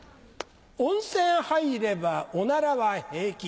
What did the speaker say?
温泉入ればオナラは平気。